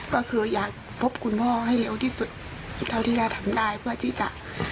ก็คืออยากพบคุณพ่อให้เร็วที่สุดเท่าที่ย่าทำได้เพื่อที่จะ